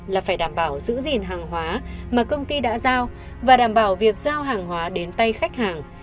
là phải đảm bảo giữ gìn hàng hóa mà công ty đã giao và đảm bảo việc giao hàng hóa đến tay khách hàng